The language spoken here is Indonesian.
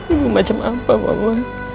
ibu macam apa mama